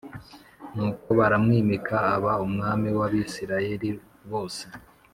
Nuko baramwimika aba umwami w’Abisirayeli bose